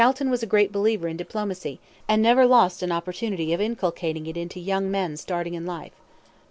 Calton was a great believer in diplomacy, and never lost an opportunity of inculcating it into young men starting in life.